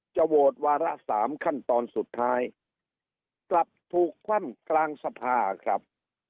โหวตวาระ๓ขั้นตอนสุดท้ายกลับถูกคว่ำกลางสภาครับ